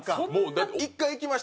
だって１回行きました。